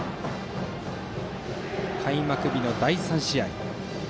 開幕日の第３試合。